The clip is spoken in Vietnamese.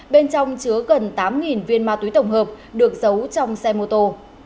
bên trong chứa gần tám viên ma túy tổng hợp được giấu trong xe mô tô